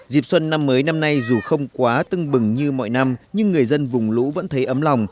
dịp xuân năm mới năm nay dù không quá tưng bừng như mọi năm nhưng người dân vùng lũ vẫn thấy ấm lòng